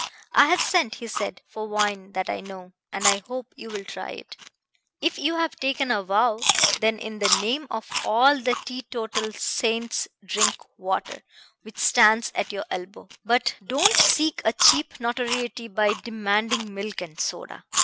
"I have sent," he said, "for wine that I know, and I hope you will try it. If you have taken a vow, then in the name of all the teetotal saints drink water, which stands at your elbow, but don't seek a cheap notoriety by demanding milk and soda."